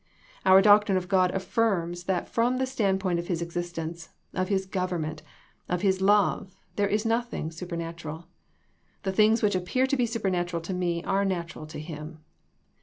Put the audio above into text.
Our doctrine of God affirms that from the stand point of His existence, of His government, of His love, there is nothing supernatural. The things which appear to be supernatural to me, are natural to Him.